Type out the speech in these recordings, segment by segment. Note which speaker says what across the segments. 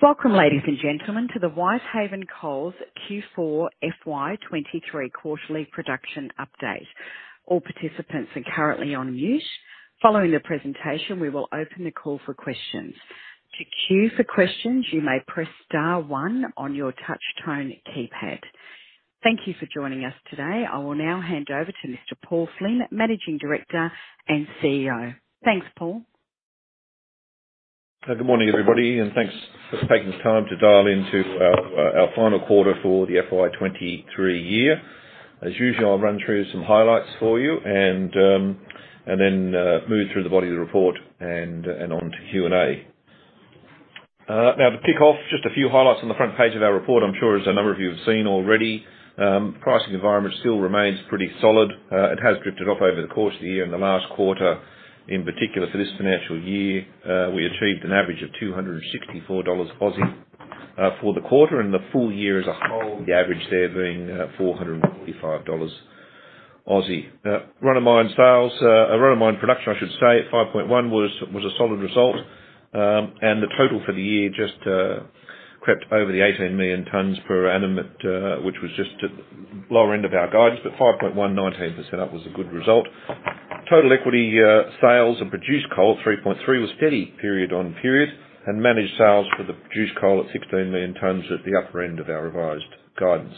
Speaker 1: Welcome, ladies and gentlemen, to the Whitehaven Coal's Q4 FY 2023 quarterly production update. All participants are currently on mute. Following the presentation, we will open the call for questions. To queue for questions, you may press star one on your touch tone keypad. Thank you for joining us today. I will now hand over to Mr. Paul Flynn, Managing Director and CEO. Thanks, Paul.
Speaker 2: Good morning, everybody, thanks for taking the time to dial into our final quarter for the FY 2023 year. As usual, I'll run through some highlights for you and then, move through the body of the report and on to Q&A. To kick off, just a few highlights on the front page of our report. I'm sure, as a number of you have seen already, the pricing environment still remains pretty solid. It has drifted off over the course of the year and the last quarter in particular. For this financial year, we achieved an average of 264 Aussie dollars for the quarter, and the full year as a whole, the average there being 445 Aussie dollars. Run of mine sales, or run of mine production, I should say, at 5.1, was a solid result. The total for the year just crept over the 18 million tons per annum at which was just at lower end of our guidance, but 5.1, 19% up, was a good result. Total equity, sales and produced coal, 3.3, was steady period on period, and managed sales for the produced coal at 16 million tons at the upper end of our revised guidance.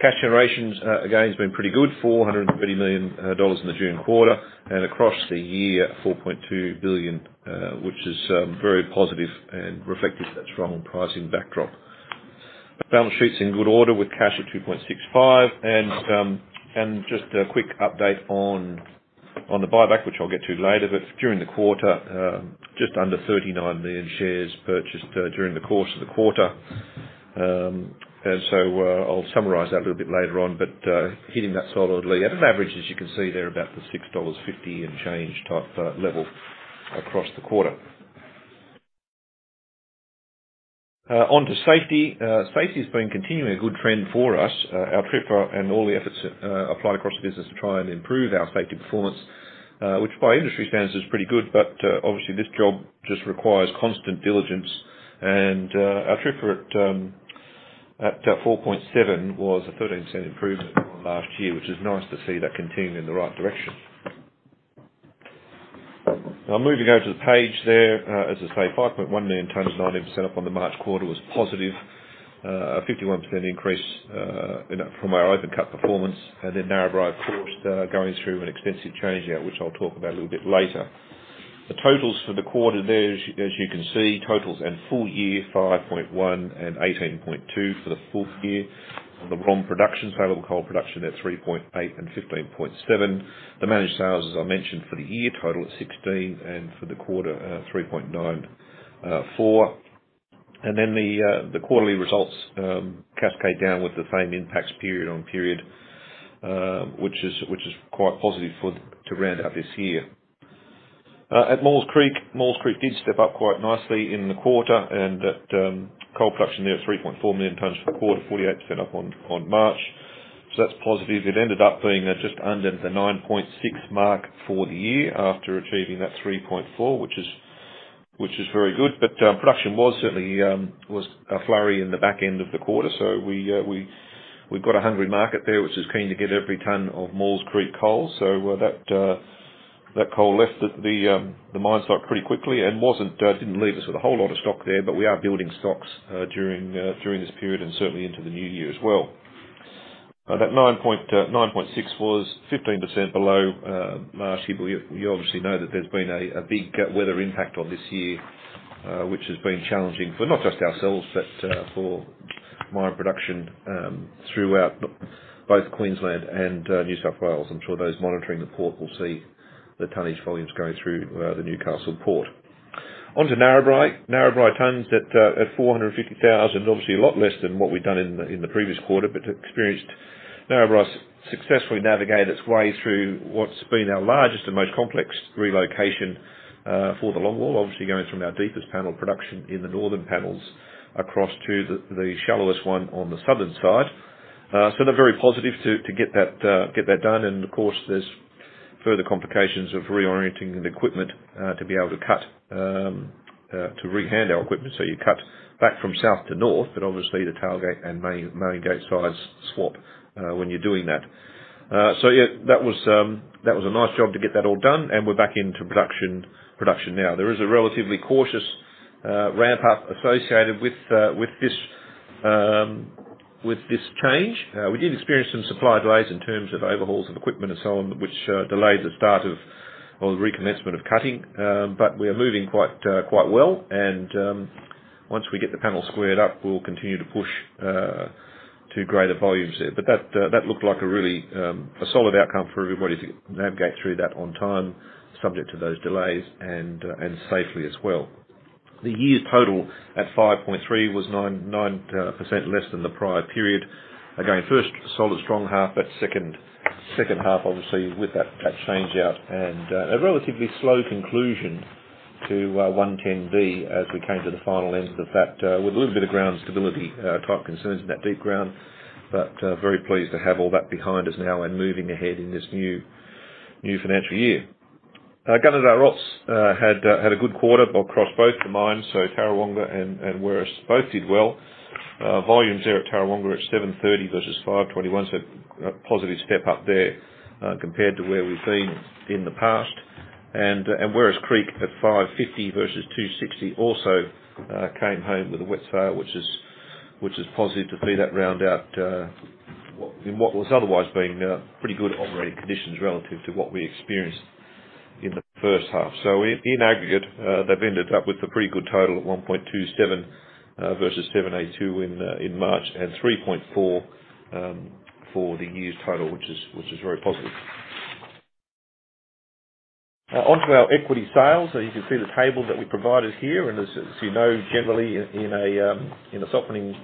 Speaker 2: Cash generations, again, has been pretty good, $430 million in the June quarter. Across the year, $4.2 billion, which is very positive and reflective of that strong pricing backdrop. Balance sheet's in good order with cash of $2.65 billion. Just a quick update on the buyback, which I'll get to later, but during the quarter, just under 39 million shares purchased during the course of the quarter. I'll summarize that a little bit later on, but hitting that solidly at an average, as you can see there, about the 6.50 dollars and change type level across the quarter. On to safety. Safety has been continuing a good trend for us. Our trip and all the efforts applied across the business to try and improve our safety performance, which by industry standards is pretty good, but obviously this job just requires constant diligence. Our trip rate at 4.7 was a 13% improvement on last year, which is nice to see that continuing in the right direction. Moving over to the page there, as I say, 5.1 million tons, 19% up on the March quarter, was positive. A 51% increase in from our open cut performance, and then Narrabri, of course, going through an extensive change now, which I'll talk about a little bit later. The totals for the quarter there, as you can see, totals and full year, 5.1 and 18.2 for the full year. On the ROM production, saleable coal production at 3.8 and 15.7. The managed sales, as I mentioned, for the year, total at 16, and for the quarter, 3.9, 4. The quarterly results cascade down with the same impacts period on period, which is quite positive to round out this year. At Maules Creek, Maules Creek did step up quite nicely in the quarter, and at coal production near 3.4 million tons for the quarter, 48% up on March. That's positive. It ended up being at just under the 9.6 mark for the year after achieving that 3.4, which is very good. Production was certainly a flurry in the back end of the quarter, so we've got a hungry market there, which is keen to get every ton of Maules Creek coal. That coal left the mine site pretty quickly and wasn't, didn't leave us with a whole lot of stock there, but we are building stocks during this period and certainly into the new year as well. That 9.6 was 15% below last year. You obviously know that there's been a big weather impact on this year, which has been challenging for not just ourselves, but for mine production throughout both Queensland and New South Wales. I'm sure those monitoring the port will see the tonnage volumes going through the Newcastle port. To Narrabri. Narrabri tons at 450,000, obviously a lot less than what we've done in the previous quarter, but experienced... Narrabri successfully navigated its way through what's been our largest and most complex relocation for the longwall. Obviously, going from our deepest panel production in the northern panels across to the shallowest one on the southern side. They're very positive to get that done, and of course, there's further complications of reorienting the equipment to be able to cut to rehang our equipment. You cut back from south to north, but obviously the tailgate and main gate size swap when you're doing that. Yeah, that was a nice job to get that all done, and we're back into production now. There is a relatively cautious ramp up associated with this change. We did experience some supply delays in terms of overhauls of equipment and so on, which delayed the start of, or the recommencement of cutting. We are moving quite well, and once we get the panel squared up, we'll continue to push to greater volumes there. That looked like a really solid outcome for everybody to navigate through that on time, subject to those delays, and safely as well. The year's total at 5.3 was 9% less than the prior period. Again, first solid, strong half, second half, obviously, with that change-out and a relatively slow conclusion to 110B as we came to the final end of the fact, with a little bit of ground stability type concerns in that deep ground. Very pleased to have all that behind us now and moving ahead in this new financial year. Gunnedah Ops had a good quarter across both the mines, Tarrawonga and Werris. Both did well. Volumes there at Tarrawonga are at 730 versus 521, a positive step up there compared to where we've been in the past. Werris Creek at 550 versus 260 also came home with a wet sail, which is positive to see that round out in what was otherwise being pretty good operating conditions relative to what we experienced in the first half. In aggregate, they've ended up with a pretty good total of 1.27 versus 782 in March, and 3.4 for the year's total, which is very positive. Onto our equity sales. You can see the table that we provided here, as you know, generally, in a softening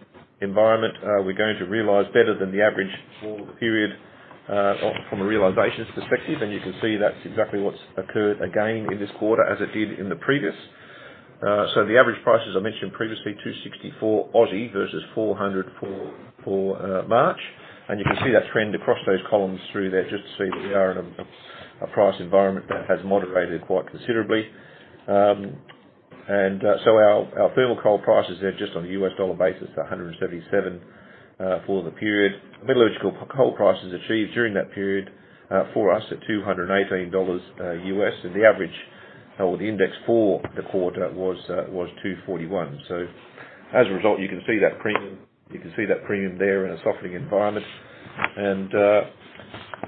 Speaker 2: environment, we're going to realize better than the average for the period from a realization perspective, and you can see that's exactly what's occurred again in this quarter, as it did in the previous. The average price, as I mentioned previously, 264 versus 400 for March. You can see that trend across those columns through there, just to see that we are in a price environment that has moderated quite considerably. Our thermal coal prices there, just on a US dollar basis, are $177 for the period. Metallurgical coal prices achieved during that period for us at $218 US, and the average, well, the index for the quarter was $241. As a result, you can see that premium there in a softening environment.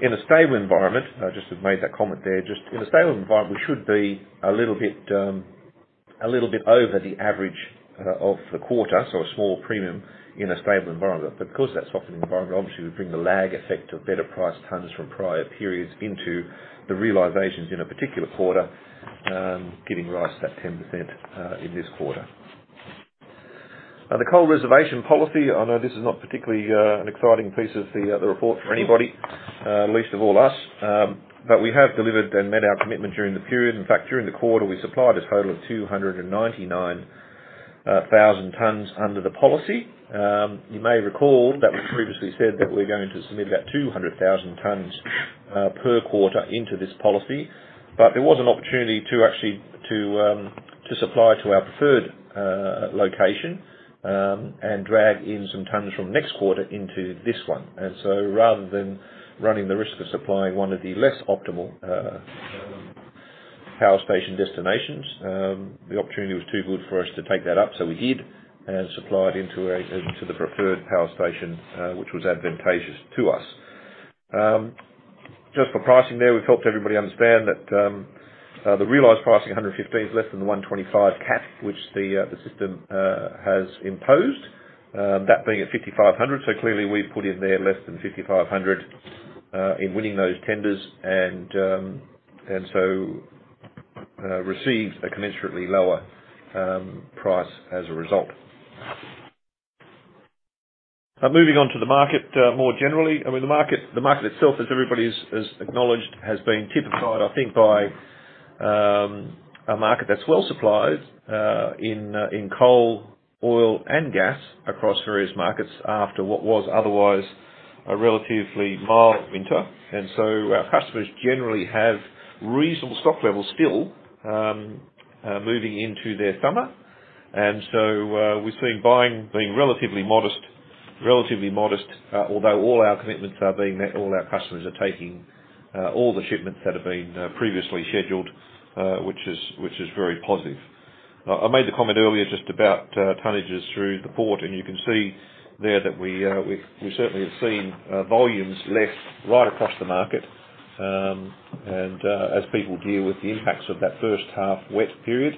Speaker 2: In a stable environment, I just have made that comment there. Just in a stable environment, we should be a little bit over the average of the quarter, so a small premium in a stable environment. Because of that softening environment, obviously, we bring the lag effect of better priced tons from prior periods into the realizations in a particular quarter, giving rise to that 10% in this quarter. The coal reservation policy, I know this is not particularly an exciting piece of the report for anybody, least of all us. We have delivered and met our commitment during the period. In fact, during the quarter, we supplied a total of 299,000 tons under the policy. You may recall that we previously said that we're going to submit about 200,000 tons per quarter into this policy. There was an opportunity to actually to supply to our preferred location and drag in some tons from next quarter into this one. Rather than running the risk of supplying one of the less optimal power station destinations, the opportunity was too good for us to take that up. We did, and supplied into the preferred power station, which was advantageous to us. Just for pricing there, we've helped everybody understand that the realized pricing, 115, is less than the 125 cap, which the system has imposed, that being at 5,500. Clearly, we've put in there less than 5,500 in winning those tenders and so received a commensurately lower price as a result. Moving on to the market more generally. I mean, the market itself, as everybody has acknowledged, has been typified, I think, by a market that's well supplied in coal, oil, and gas across various markets after what was otherwise a relatively mild winter. Our customers generally have reasonable stock levels still, moving into their summer. We've seen buying being relatively modest, although all our commitments are being met, all our customers are taking all the shipments that have been previously scheduled, which is very positive. I made the comment earlier just about tonnages through the port, you can see there that we certainly have seen volumes less right across the market, as people deal with the impacts of that first half wet period.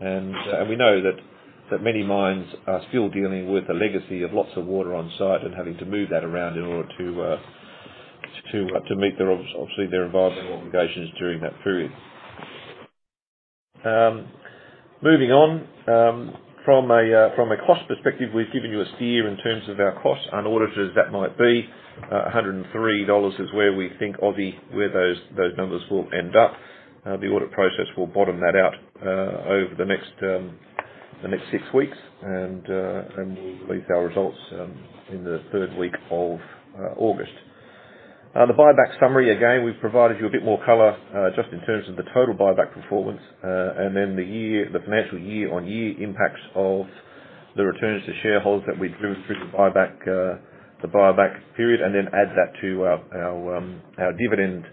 Speaker 2: We know that many mines are still dealing with the legacy of lots of water on site and having to move that around in order to meet their obviously, their environmental obligations during that period. Moving on, from a cost perspective, we've given you a steer in terms of our costs, unaudited as that might be. 103 dollars is where we think those numbers will end up. The audit process will bottom that out over the next six weeks, and we'll release our results in the third week of August. The buyback summary. Again, we've provided you a bit more color, just in terms of the total buyback performance, and then the financial year-on-year impacts of the returns to shareholders that we delivered through the buyback, the buyback period, and then add that to our dividend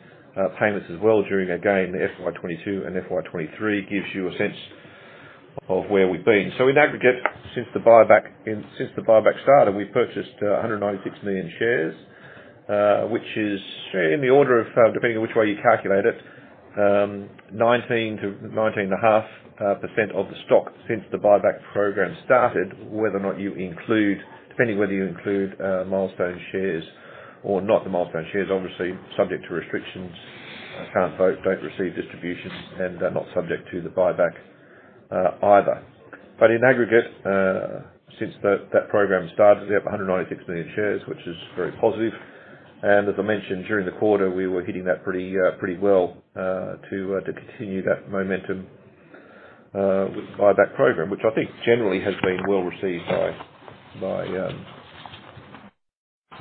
Speaker 2: payments as well during, again, FY 2022 and FY 2023 gives you a sense of where we've been. In aggregate, since the buyback started, we've purchased 196 million shares, which is in the order of, depending on which way you calculate it, 19% to 19.5% of the stock since the buyback program started, whether or not you include... Depending on whether you include milestone shares or not, the milestone shares, obviously subject to restrictions, can't vote, don't receive distribution, and they're not subject to the buyback either. In aggregate, since that program started, we have 196 million shares, which is very positive. As I mentioned during the quarter, we were hitting that pretty well, to continue that momentum with the buyback program, which I think generally has been well received by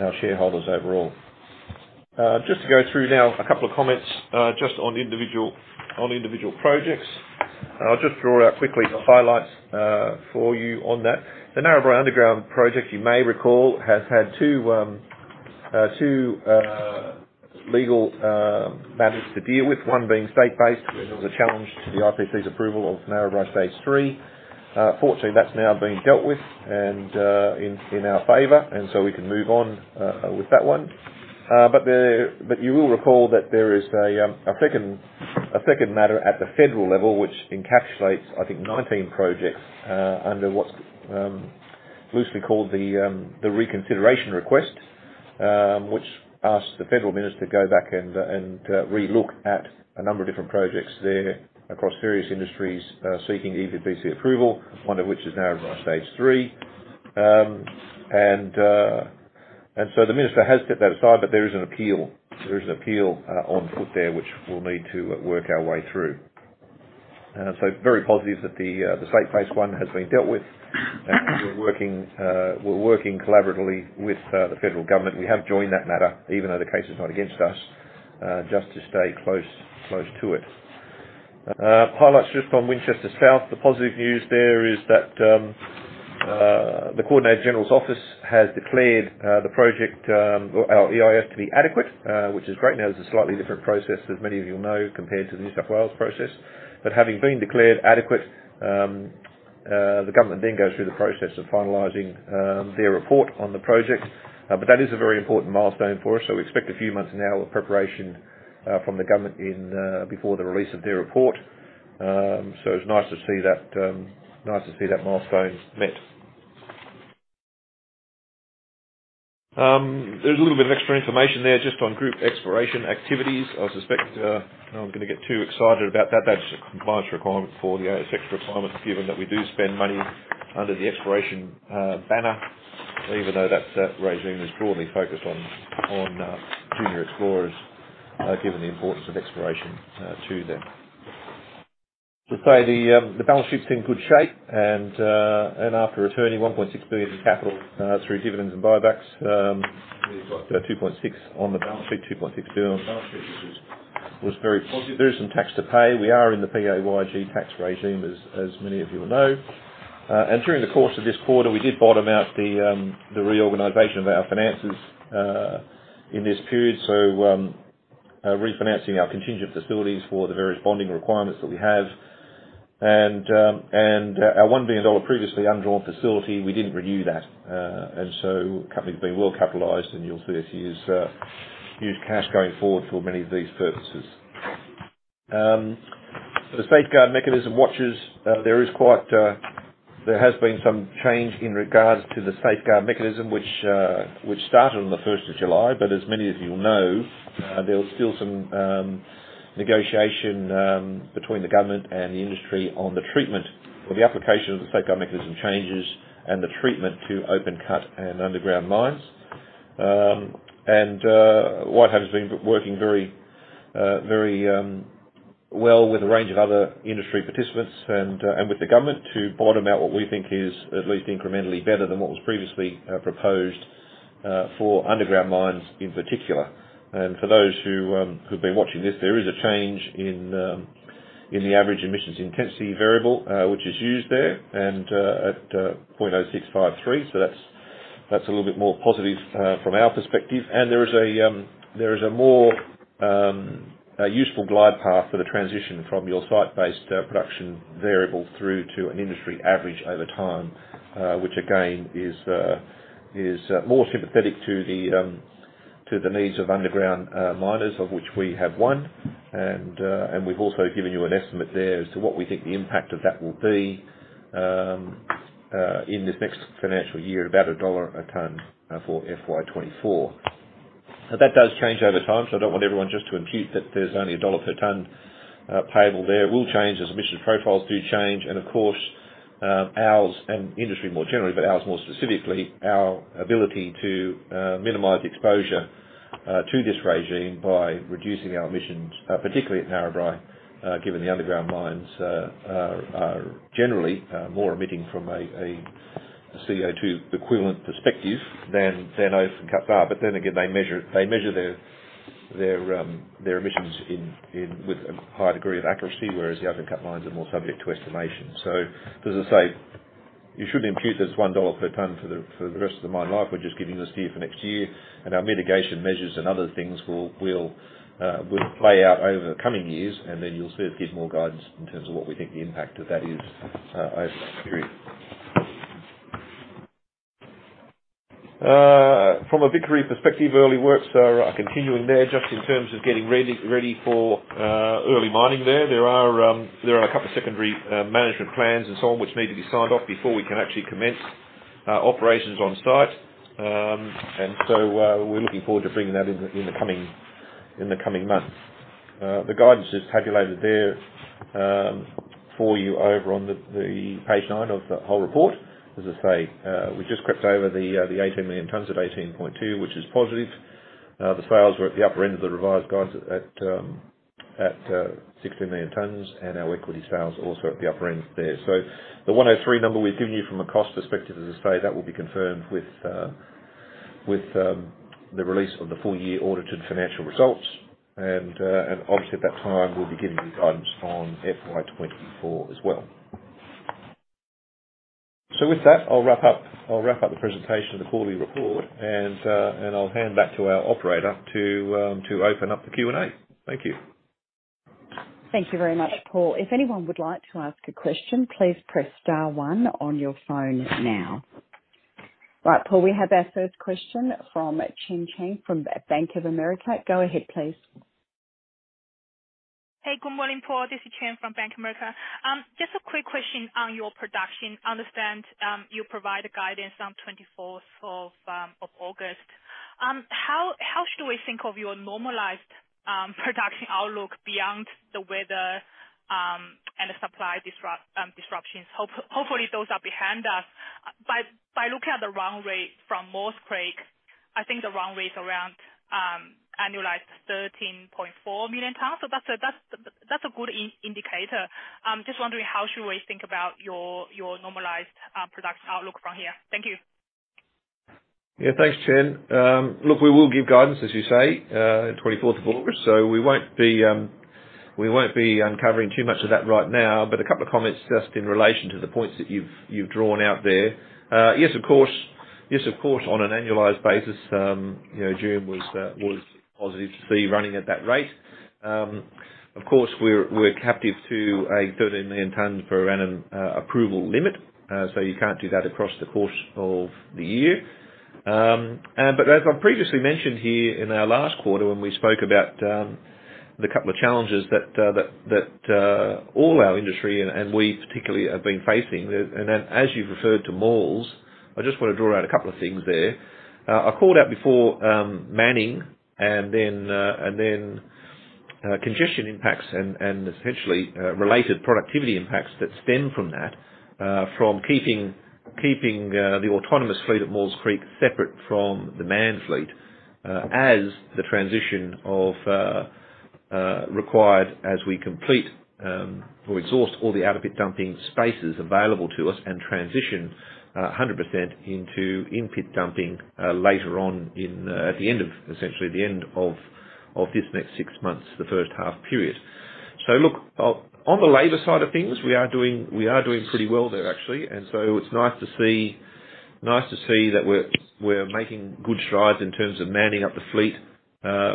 Speaker 2: our shareholders overall. Just to go through now a couple of comments, just on individual, on individual projects. I'll just draw out quickly the highlights for you on that. The Narrabri Underground Project, you may recall, has had two legal matters to deal with, one being state-based, where there was a challenge to the IPC's approval of Narrabri Stage Three. Fortunately, that's now been dealt with and in our favor, and so we can move on with that one. There, but you will recall that there is a second matter at the federal level, which encapsulates, I think, 19 projects under what's loosely called the reconsideration request. Which asks the federal minister to go back and re-look at a number of different projects there across various industries, seeking EPBC approval, one of which is now at Stage Three. The minister has set that aside, but there is an appeal. There is an appeal on foot there, which we'll need to work our way through. Very positive that the state-based one has been dealt with. We're working collaboratively with the federal government. We have joined that matter, even though the case is not against us, just to stay close to it. Highlights just on Winchester South. The positive news there is that the Coordinator-General's Office has declared the project, or our EIS to be adequate, which is great. There's a slightly different process, as many of you know, compared to the New South Wales process. Having been declared adequate, the government then goes through the process of finalizing their report on the project. That is a very important milestone for us, so we expect a few months now of preparation from the government in before the release of their report. It's nice to see that milestone met. There's a little bit of extra information there just on group exploration activities. I suspect no one's gonna get too excited about that. That's a compliance requirement for the ASX requirements, given that we do spend money under the exploration banner, even though that regime is broadly focused on junior explorers given the importance of exploration to them. To say the balance sheet's in good shape, and after returning 1.6 billion in capital through dividends and buybacks, we've got 2.6 on the balance sheet, 2.6 billion on the balance sheet, which was very positive. There is some tax to pay. We are in the PAYG tax regime, as many of you will know. During the course of this quarter, we did bottom out the reorganization of our finances in this period. Refinancing our contingent facilities for the various bonding requirements that we have. Our 1 billion dollar, previously undrawn facility, we didn't renew that. Company's been well capitalized, and you'll see us use cash going forward for many of these purposes. The Safeguard Mechanism Watches, there has been some change in regards to the Safeguard Mechanism, which started on the first of July. As many of you will know, there was still some negotiation between the government and the industry on the treatment or the application of the Safeguard Mechanism changes and the treatment to open-cut and underground mines. Whitehaven has been working very, very well with a range of other industry participants and with the government to bottom out what we think is at least incrementally better than what was previously proposed for underground mines in particular. For those who've been watching this, there is a change in the average emissions intensity variable, which is used there and at 0.0653. That's a little bit more positive from our perspective. There is a more useful glide path for the transition from your site-based production variable through to an industry average over time, which again, is more sympathetic to the needs of underground miners, of which we have one. We've also given you an estimate there as to what we think the impact of that will be in this next financial year, about $1 a ton for FY 2024. That does change over time, so I don't want everyone just to impute that there's only AUD 1 per ton payable there. It will change as emissions profiles do change, and of course, ours and industry more generally, but ours more specifically, our ability to minimize exposure to this regime by reducing our emissions, particularly at Narrabri, given the underground mines are generally more emitting from a CO2 equivalent perspective than open cut mine. Then again, they measure their emissions with a higher degree of accuracy, whereas the open cut mines are more subject to estimation. As I say, you shouldn't impute this 1 dollar per ton for the rest of the mine life. We're just giving this to you for next year, and our mitigation measures and other things will play out over the coming years, and then you'll see us give more guidance in terms of what we think the impact of that is over that period. From a Vickery perspective, early works are continuing there just in terms of getting ready for early mining there. There are a couple of secondary management plans and so on, which need to be signed off before we can actually commence operations on site. We're looking forward to bringing that in in the coming months. The guidance is tabulated there for you over on the page 9 of the whole report. As I say, we just crept over the 18 million tons of 18.2, which is positive. The sales were at the upper end of the revised guides at 16 million tons, and our equity sales also at the upper end there. The 103 number we've given you from a cost perspective, as I say, that will be confirmed with the release of the full year audited financial results. Obviously, at that time, we'll be giving you guidance on FY 2024 as well. With that, I'll wrap up the presentation of the quarterly report, and I'll hand back to our operator to open up the Q&A. Thank you.
Speaker 1: Thank you very much, Paul. If anyone would like to ask a question, please press star one on your phone now. Paul, we have our first question from Chen Jiang from Bank of America. Go ahead, please.
Speaker 3: Hey, good morning, Paul. This is Chen from Bank of America. Just a quick question on your production. I understand, you provide a guidance on 24th of August. How should we think of your normalized production outlook beyond the weather and the supply disruptions? Hopefully, those are behind us. By looking at the run rate from Maules Creek, I think the run rate is around annualized 13.4 million tons. That's a good indicator. Just wondering, how should we think about your normalized production outlook from here? Thank you.
Speaker 2: Yeah, thanks, Chen. Look, we will give guidance, as you say, 24th of August, so we won't be uncovering too much of that right now. A couple of comments just in relation to the points that you've drawn out there. Yes, of course, on an annualized basis, you know, June was positive to see you running at that rate. Of course, we're captive to a 13 million tons per annum approval limit, so you can't do that across the course of the year. As I previously mentioned here in our last quarter, when we spoke about the couple of challenges that all our industry, and we particularly have been facing. ve referred to Maules, I just want to draw out a couple of things there. I called out before, manning and then congestion impacts and essentially related productivity impacts that stem from that, from keeping the autonomous fleet at Maules Creek separate from the manned fleet, as the transition required as we complete or exhaust all the out-of-pit dumping spaces available to us and transition 100% into in-pit dumping later on at the end of, essentially the end of this next 6 months, the first half period. So look, on the labor side of things, we are doing pretty well there, actually. It's nice to see that we're making good strides in terms of manning up the fleet,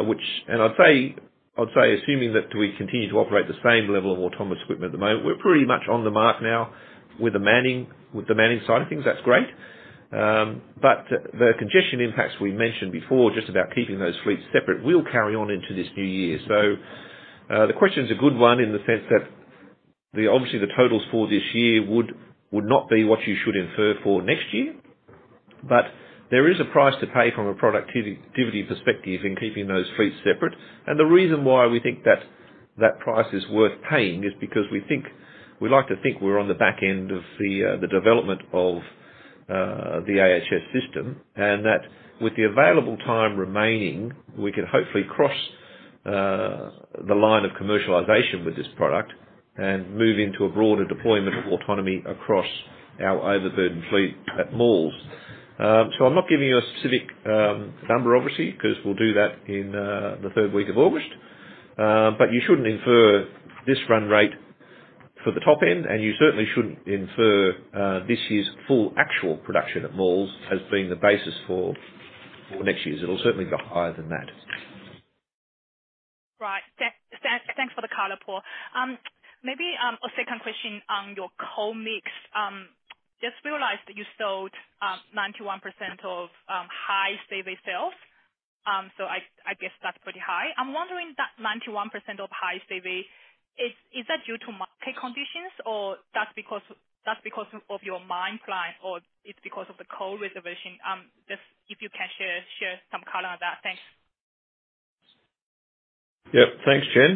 Speaker 2: which I'd say, assuming that we continue to operate the same level of autonomous equipment at the moment, we're pretty much on the mark now with the manning side of things. That's great. The congestion impacts we mentioned before, just about keeping those fleets separate, will carry on into this new year. The question is a good one in the sense that the obviously, the totals for this year would not be what you should infer for next year. There is a price to pay from a productivity perspective in keeping those fleets separate. The reason why we think that that price is worth paying is because we like to think we're on the back end of the development of the AHS system. That with the available time remaining, we can hopefully cross the line of commercialization with this product and move into a broader deployment of autonomy across our overburden fleet at Maules. I'm not giving you a specific number, obviously, because we'll do that in the third week of August. You shouldn't infer this run rate for the top end, and you certainly shouldn't infer this year's full actual production at Maules as being the basis for next year's. It'll certainly be higher than that.
Speaker 3: Right. Thanks for the color, Paul. Maybe a second question on your coal mix. Just realized that you sold 91% of high CV sales. I guess that's pretty high. I'm wondering, that 91% of high CV, is that due to market conditions, or that's because of your mine plan, or it's because of the coal reservation? Just if you can share some color on that. Thanks.
Speaker 2: Yep. Thanks, Chen.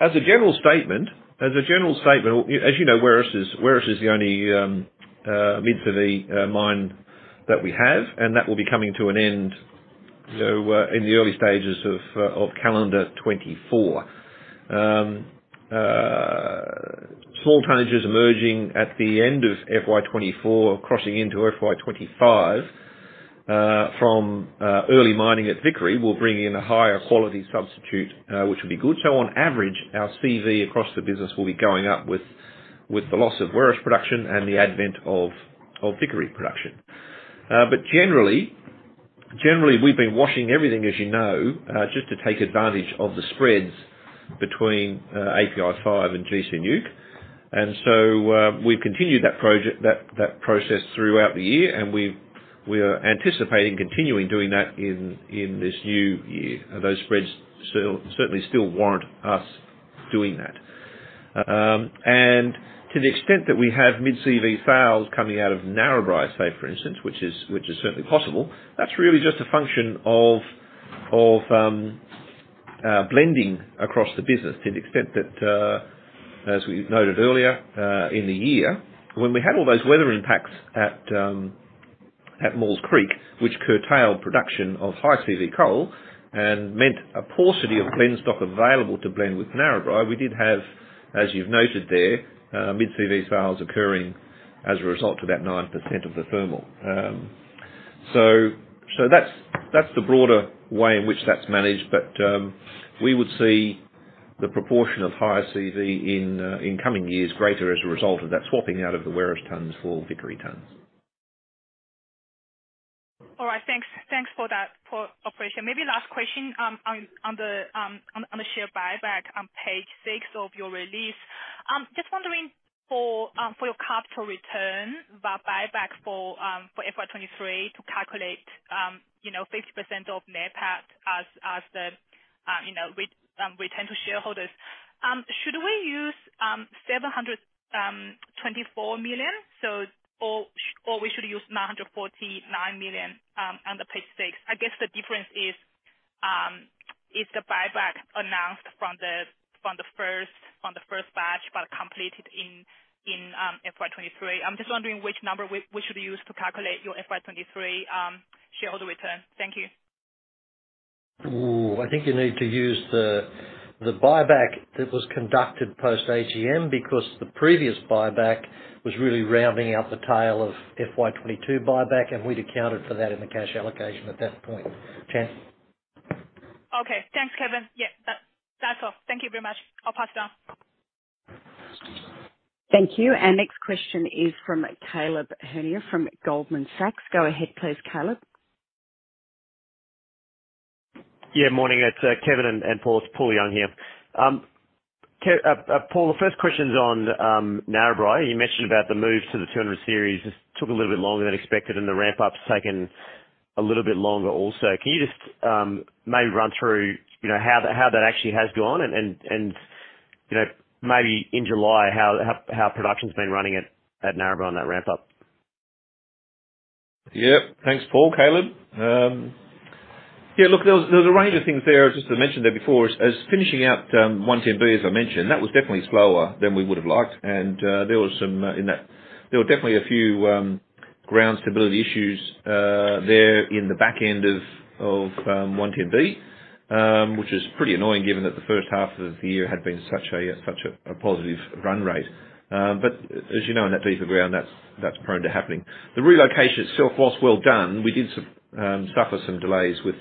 Speaker 2: As a general statement, as you know, Werris is the only mid CV mine that we have, and that will be coming to an end, so in the early stages of calendar 2024. Small tonnages emerging at the end of FY24, crossing into FY25, from early mining at Vickery, will bring in a higher quality substitute, which will be good. On average, our CV across the business will be going up with the loss of Werris production and the advent of Vickery production. Generally, we've been washing everything, as you know, just to take advantage of the spreads between API 5 and GC NEWC. We've continued that process throughout the year, we are anticipating continuing doing that in this new year. Those spreads still, certainly still warrant us doing that. To the extent that we have mid CV sales coming out of Narrabri, say, for instance, which is certainly possible, that's really just a function of blending across the business to the extent that, as we noted earlier, in the year, when we had all those weather impacts at Maules Creek, which curtailed production of high CV coal and meant a paucity of clean stock available to blend with Narrabri, we did have, as you've noted there, mid CV sales occurring as a result of that 9% of the thermal. That's the broader way in which that's managed, but, we would see the proportion of higher CV in coming years greater as a result of that swapping out of the Werris tonnes for Vickery tonnes.
Speaker 3: All right. Thanks. Thanks for that, Paul. Operation. Maybe last question on the share buyback on page six of your release. Just wondering for your capital return, about buyback for FY 2023 to calculate, you know, 50% of NPAT as the, you know, we return to shareholders. Should we use 724 million, or we should use 949 million on page six? I guess the difference is the buyback announced from the first batch, but completed in FY 2023. I'm just wondering which number we should use to calculate your FY 2023 shareholder return. Thank you.
Speaker 4: Ooh, I think you need to use the buyback that was conducted post AGM, because the previous buyback was really rounding out the tail of FY 2022 buyback, we'd accounted for that in the cash allocation at that point. Chen?
Speaker 3: Okay. Thanks, Kevin. Yeah, that's all. Thank you very much. I'll pass it on.
Speaker 1: Thank you. Our next question is from Paul Young from Goldman Sachs. Go ahead please, Paul.
Speaker 5: Morning. It's Kevin and Paul. It's Paul Young here. Paul, the first question's on Narrabri. You mentioned about the move to the 200 series. Just took a little bit longer than expected, and the ramp-up's taken a little bit longer also. Can you just, maybe run through, you know, how that actually has gone and, you know, maybe in July, how production's been running at Narrabri on that ramp-up?
Speaker 2: Thanks, Paul, Paul. There was a range of things there, just as I mentioned there before, as finishing out 110B, as I mentioned, that was definitely slower than we would have liked. There were definitely a few ground stability issues there in the back end of 110B, which is pretty annoying, given that the first half of the year had been such a positive run rate. As you know, in that piece of ground, that's prone to happening. The relocation itself was well done. We did suffer some delays with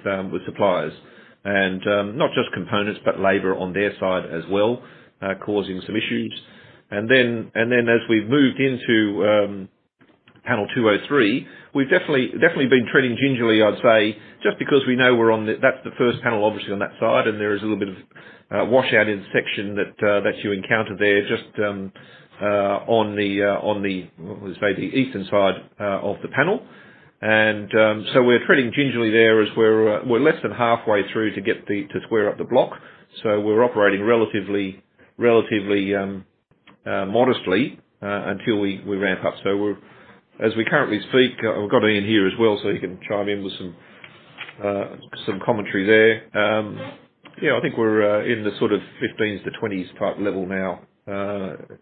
Speaker 2: suppliers and not just components, but labor on their side as well, causing some issues. As we moved into panel 203, we've definitely been treading gingerly, I'd say, just because we know we're that's the first panel, obviously, on that side, and there is a little bit of washout in section that you encounter there, just on the on the as maybe eastern side of the panel. So we're treading gingerly there as we're less than halfway through to get the, to square up the block. So we're operating relatively modestly until we ramp up. As we currently speak, we've got Ian here as well, so he can chime in with some commentary there. Yeah, I think we're in the sort of 15s to 20s type level now.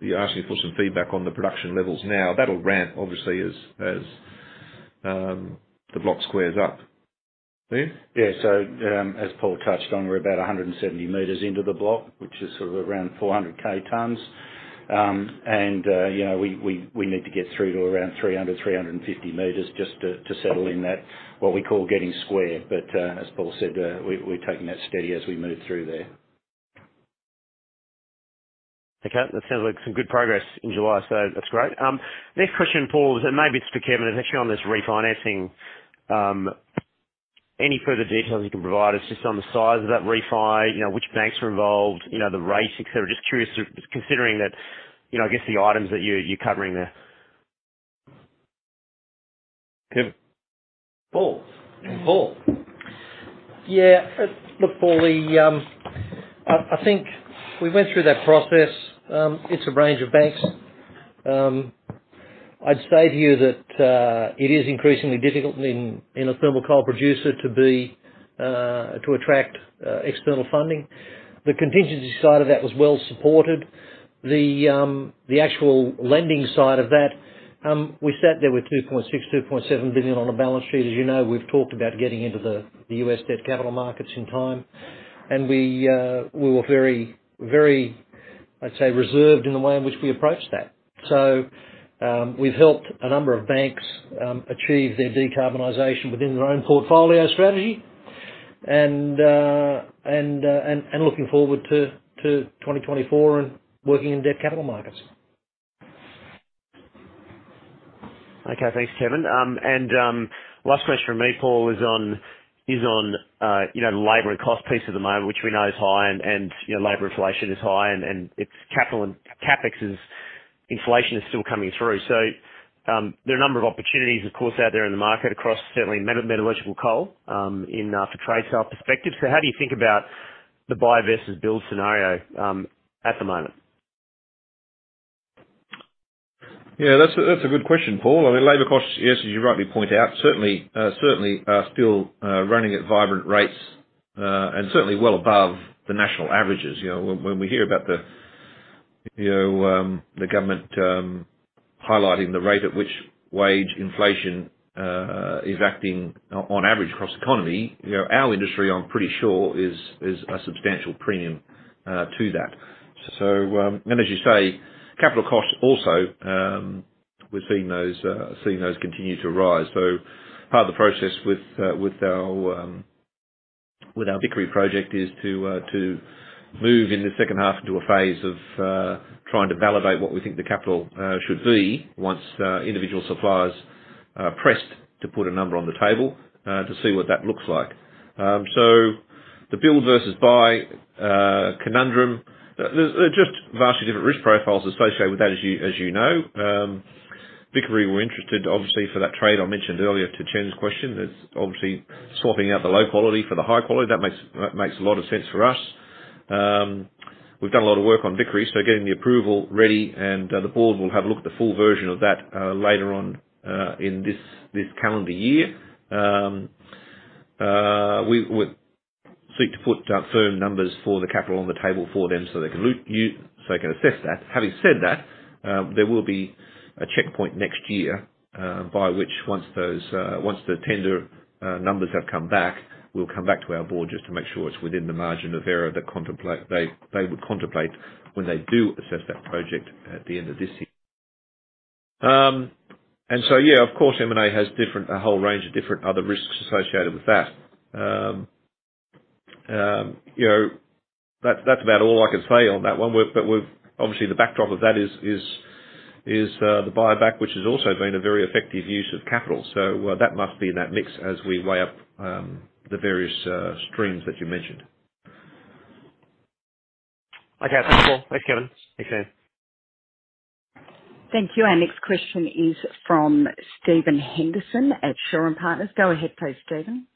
Speaker 2: You're asking for some feedback on the production levels now. That'll ramp obviously as the block squares up. Ian?
Speaker 6: As Paul touched on, we're about 170 meters into the block, which is sort of around 400,000 tonnes. You know, we need to get through to around 300-350 meters just to settle in that, what we call getting square. As Paul said, we're taking that steady as we move through there.
Speaker 5: Okay, that sounds like some good progress in July, so that's great. Next question, Paul, and maybe it's for Kevin, is actually on this refinancing. Any further details you can provide us, just on the size of that refi, you know, which banks are involved, you know, the rates, et cetera. Just curious, considering that, you know, I guess the items that you're covering there.
Speaker 2: Kevin?
Speaker 4: Paul. Yeah, look, Paul. I think we went through that process. It's a range of banks. I'd say to you that it is increasingly difficult in a thermal coal producer to be to attract external funding. The contingency side of that was well supported. The actual lending side of that, we sat there with 2.6 billion-2.7 billion on the balance sheet. As you know, we've talked about getting into the US debt capital markets in time, and we were very, very, I'd say, reserved in the way in which we approached that. We've helped a number of banks achieve their decarbonization within their own portfolio strategy, and looking forward to 2024 and working in debt capital markets.
Speaker 5: Okay, thanks, Kevin. Last question from me, Paul, is on, you know, the labor and cost piece at the moment, which we know is high and, you know, labor inflation is high, and its capital and CapEx's inflation is still coming through. There are a number of opportunities, of course, out there in the market across certainly metallurgical coal in for trade sale perspective. How do you think about the buy versus build scenario at the moment?
Speaker 2: Yeah, that's a good question, Paul. I mean, labor costs, yes, as you rightly point out, certainly are still running at vibrant rates, and certainly well above the national averages. You know, when we hear about the, you know, the government highlighting the rate at which wage inflation is acting on average across the economy, you know, our industry, I'm pretty sure, is a substantial premium to that. And as you say, capital costs also, we're seeing those continue to rise. Part of the process with with our with our Vickery project is to to move in the second half into a phase of trying to validate what we think the capital should be once individual suppliers are pressed to put a number on the table to see what that looks like. The build versus buy conundrum, there's just vastly different risk profiles associated with that, as you know. Vickery, we're interested, obviously, for that trade I mentioned earlier to Chen's question. That's obviously swapping out the low quality for the high quality. That makes a lot of sense for us. We've done a lot of work on Vickery, so getting the approval ready, and the board will have a look at the full version of that later on in this calendar year. We would seek to put down firm numbers for the capital on the table for them so they can assess that. Having said that, there will be a checkpoint next year, by which once those, once the tender numbers have come back, we'll come back to our board just to make sure it's within the margin of error that they would contemplate when they do assess that project at the end of this year. Yeah, of course, M&A has different, a whole range of different other risks associated with that. you know, that's about all I can say on that one. We've-- obviously, the backdrop of that is, is, the buyback, which has also been a very effective use of capital. That must be in that mix as we weigh up, the various, streams that you mentioned.
Speaker 7: Okay. Thank, Paul. Thanks, Kevin. Thanks, team.
Speaker 1: Thank you. Our next question is from Steven Henderson at Shaw and Partners. Go ahead please, Steven.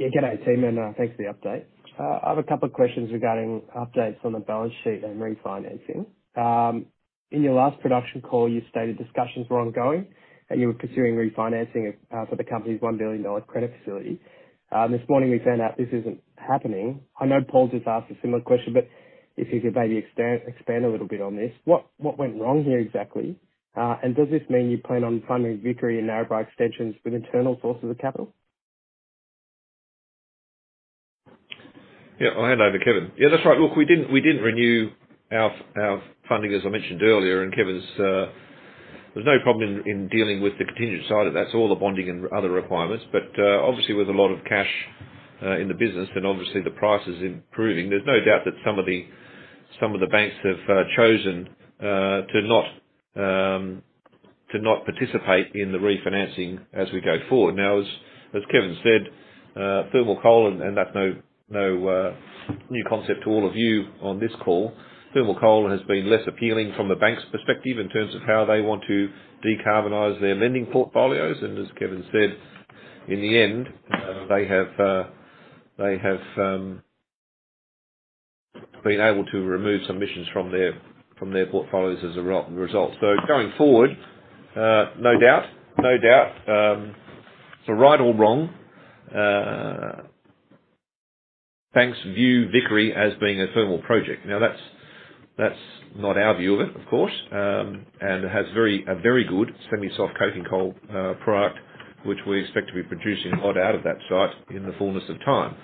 Speaker 8: Yeah, good day, team, and thanks for the update. I have a couple of questions regarding updates on the balance sheet and refinancing. In your last production call, you stated discussions were ongoing, and you were considering refinancing for the company's 1 billion dollar credit facility. This morning we found out this isn't happening. I know Paul just asked a similar question, if you could maybe expand a little bit on this, what went wrong here exactly? Does this mean you plan on funding Vickery and Narrabri extensions with internal sources of capital?
Speaker 2: I'll hand over to Kevin. That's right. We didn't renew our funding, as I mentioned earlier. There's no problem in dealing with the contingent side of that. It's all the bonding and other requirements. Obviously with a lot of cash in the business and obviously the price is improving, there's no doubt that some of the banks have chosen to not participate in the refinancing as we go forward. As Kevin said, thermal coal and that's no new concept to all of you on this call. Thermal coal has been less appealing from the bank's perspective in terms of how they want to decarbonize their lending portfolios. as Kevin said, in the end, they have, they have been able to remove some emissions from their portfolios as a result. going forward, no doubt, so right or wrong, banks view Vickery as being a thermal project. that's not our view of it, of course, and it has a very good semi-soft coking coal product, which we expect to be producing a lot out of that site in the fullness of time.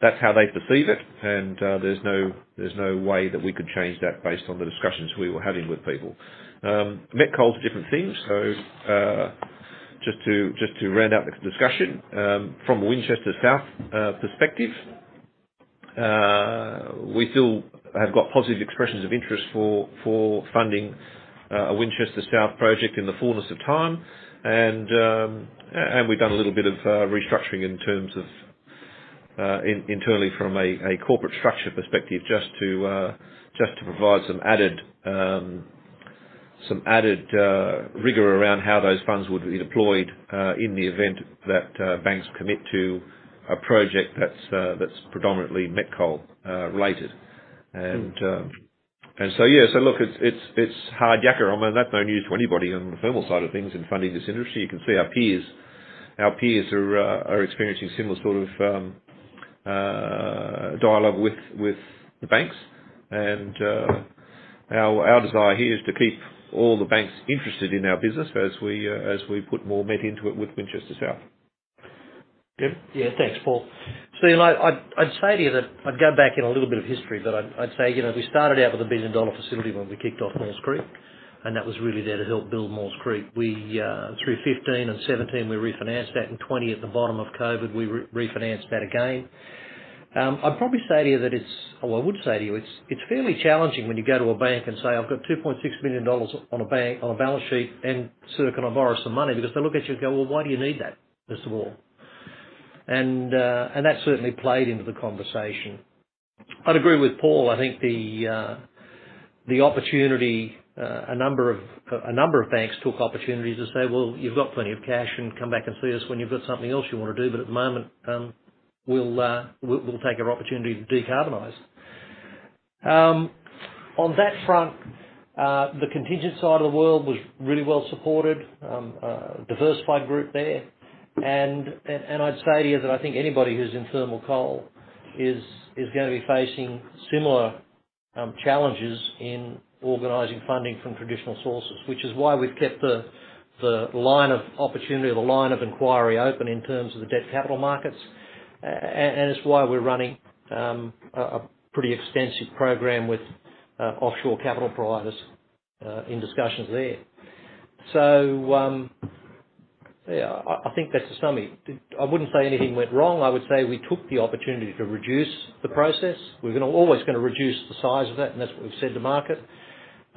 Speaker 2: that's how they perceive it, and there's no way that we could change that based on the discussions we were having with people. met coal is different thing. Just to round out the discussion from a Winchester South perspective, we still have got positive expressions of interest for funding a Winchester South project in the fullness of time. We've done a little bit of restructuring in terms of internally from a corporate structure perspective, just to provide some added rigor around how those funds would be deployed in the event that banks commit to a project that's predominantly met coal related. It's hard yakker. I mean, that's no news to anybody on the thermal side of things in funding this industry. You can see our peers are experiencing similar sort of, dialogue with the banks. Our desire here is to keep all the banks interested in our business as we put more met into it with Winchester South. Kevin?
Speaker 4: Yeah, thanks, Paul. You know, I'd say to you that I'd go back in a little bit of history, but I'd say, you know, we started out with an 1 billion dollar facility when we kicked off Maules Creek, and that was really there to help build Maules Creek. We, through 2015 and 2017, we refinanced that. In 2020, at the bottom of COVID, we refinanced that again. I'd probably say to you that I would say to you, it's fairly challenging when you go to a bank and say, "I've got 2.6 billion dollars on a balance sheet, and sir, can I borrow some money?" Because they look at you and go, "Well, why do you need that, first of all?" That certainly played into the conversation. I'd agree with Paul. I think the opportunity, a number of banks took opportunities to say, "Well, you've got plenty of cash and come back and see us when you've got something else you want to do." At the moment, we'll take our opportunity to decarbonize. On that front, the contingent side of the world was really well supported. A diversified group there. I'd say to you that I think anybody who's in thermal coal is gonna be facing similar challenges in organizing funding from traditional sources. Which is why we've kept the line of opportunity, the line of inquiry open in terms of the debt capital markets. It's why we're running a pretty extensive program with offshore capital providers in discussions there. Yeah, I think that's the summary. I wouldn't say anything went wrong. I would say we took the opportunity to reduce the process. We're always gonna reduce the size of it, and that's what we've said to market.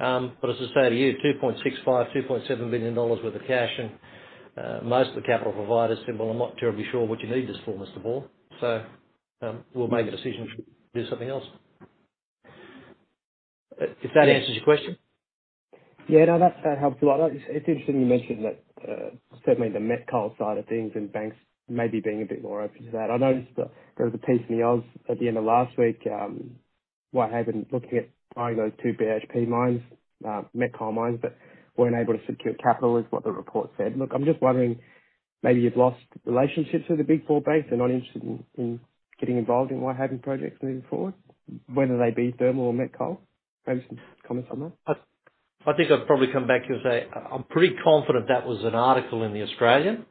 Speaker 4: As I say to you, 2.65 billion-2.7 billion dollars worth of cash and most of the capital providers said, "Well, I'm not terribly sure what you need this for, Mr. Ball." We'll make a decision to do something else. If that answers your question?
Speaker 8: Yeah, no, that helps a lot. It's interesting you mentioned that, certainly the met coal side of things and banks may be being a bit more open to that. I noticed that there was a piece in The Australian at the end of last week, Whitehaven looking at buying those 2 BHP mines, met coal mines, but weren't able to secure capital, is what the report said. Look, I'm just wondering, maybe you've lost relationships with the Big Four banks. They're not interested in getting involved in Whitehaven projects moving forward, whether they be thermal or met coal? Maybe some comments on that.
Speaker 4: I think I'd probably come back to you and say, I'm pretty confident that was an article in The Australian.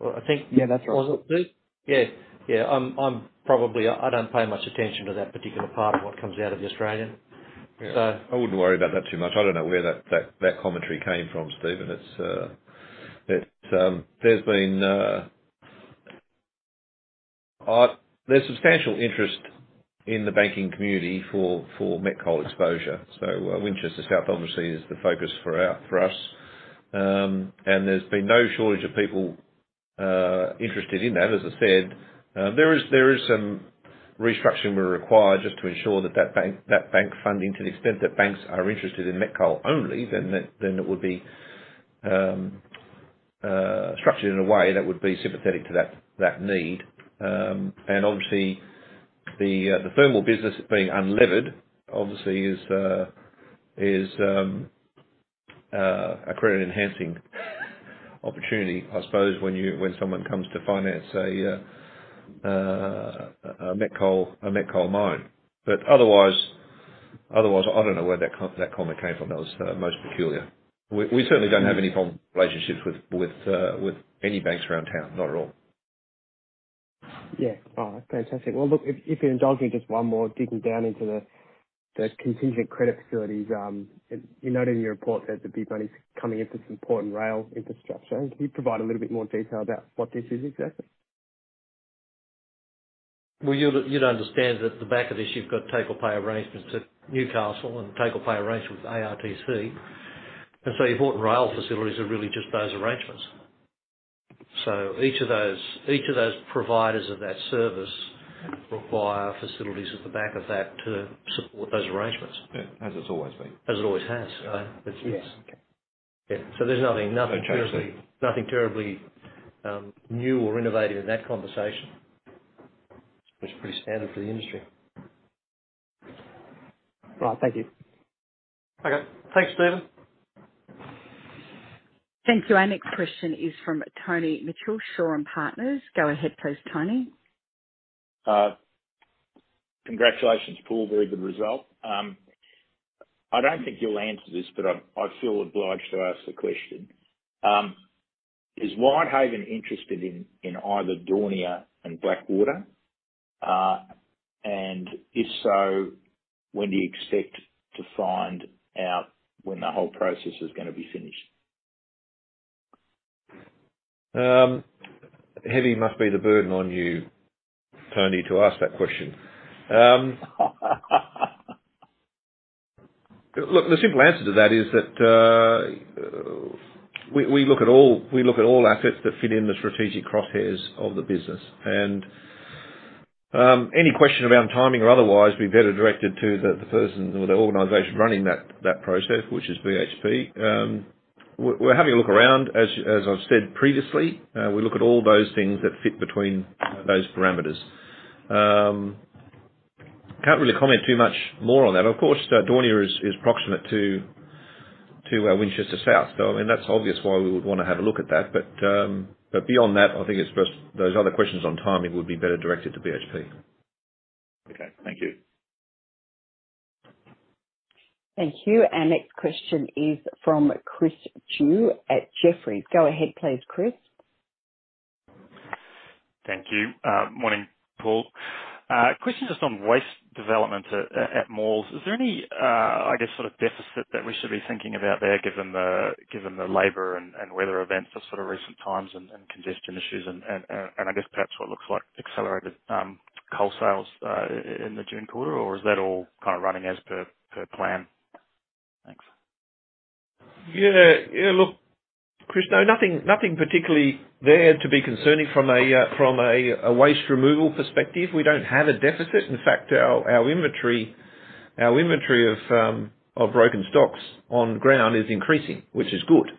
Speaker 8: Yeah, that's right.
Speaker 4: Was it, Steve? Yeah. I'm probably... I don't pay much attention to that particular part of what comes out of The Australian.
Speaker 2: I wouldn't worry about that too much. I don't know where that commentary came from, Steven. There's substantial interest in the banking community for met coal exposure. Winchester South obviously is the focus for us. There's been no shortage of people interested in that, as I said. There is some restructuring we require just to ensure that bank funding, to the extent that banks are interested in met coal only, then it would be structured in a way that would be sympathetic to that need. Obviously, the thermal business being unlevered, obviously is a credit-enhancing opportunity, I suppose, when someone comes to finance a met coal mine. Otherwise, I don't know where that comment came from. That was most peculiar. We certainly don't have any problem with relationships with any banks around town. Not at all.
Speaker 8: Yeah. Oh, that's fantastic. Look, if you indulge me, just one more, digging down into the contingent credit facilities. You noted in your report that the big money's coming into some port and rail infrastructure. Can you provide a little bit more detail about what this is exactly?
Speaker 4: Well, you'd understand that at the back of this, you've got take-or-pay arrangements at Newcastle and take-or-pay arrangements with ARTC. Your port and rail facilities are really just those arrangements. Each of those providers of that service require facilities at the back of that to support those arrangements.
Speaker 2: Yeah, as it's always been.
Speaker 4: As it always has.
Speaker 2: Yes.
Speaker 4: Yeah. There's nothing.
Speaker 2: Okay.
Speaker 4: terribly, nothing terribly, new or innovative in that conversation. It's pretty standard for the industry.
Speaker 8: Right. Thank you.
Speaker 4: Okay. Thanks, Steven.
Speaker 1: Thank you. Our next question is from Tony Mitchell, Shaw and Partners. Go ahead, please, Tony.
Speaker 9: Congratulations, Paul Flynn. Very good result. I don't think you'll answer this, but I feel obliged to ask the question. Is Whitehaven Coal interested in either Daunia and Blackwater? If so, when do you expect to find out when the whole process is gonna be finished?
Speaker 2: Heavy must be the burden on you, Tony, to ask that question. Look, the simple answer to that is that we look at all assets that fit in the strategic crosshairs of the business. Any question around timing or otherwise, be better directed to the person or the organization running that process, which is BHP. We're having a look around. As I've said previously, we look at all those things that fit between those parameters. Can't really comment too much more on that. Of course, Daunia is proximate to Winchester South, so I mean, that's obvious why we would want to have a look at that. Beyond that, I think it's best those other questions on timing would be better directed to BHP.
Speaker 9: Okay. Thank you.
Speaker 1: Thank you. Our next question is from Chris Chu at Jefferies. Go ahead please, Chris.
Speaker 10: Thank you. Morning, Paul. Question just on waste development at Maules. Is there any, I guess, sort of deficit that we should be thinking about there, given the labor and weather events of sort of recent times and congestion issues and I guess perhaps what looks like accelerated coal sales in the June quarter, or is that all kind of running as per plan? Thanks.
Speaker 2: Yeah. Yeah, look, Chris, no, nothing particularly there to be concerning from a from a waste removal perspective. We don't have a deficit. In fact, our our inventory. Our inventory of broken stocks on ground is increasing, which is good.